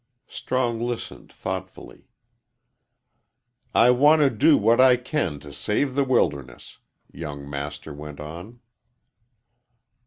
Strong listened thoughtfully. "I want to do what I can to save the wilderness," young Master went on.